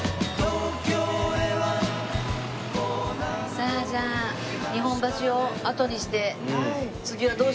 さあじゃあ日本橋をあとにして次はどうしましょう？